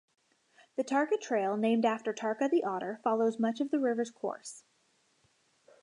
The Tarka trail named after Tarka the Otter follows much of the river's course.